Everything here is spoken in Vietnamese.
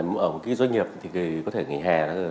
ở một doanh nghiệp thì có thể nghỉ hè